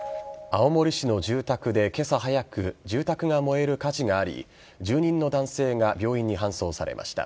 青森市の住宅で今朝早く住宅が燃える火事があり住人の男性が病院に搬送されました。